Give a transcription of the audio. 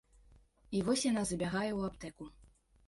І вось яна забягае ў аптэку.